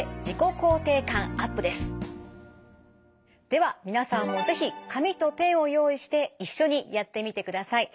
では皆さんも是非紙とペンを用意して一緒にやってみてください。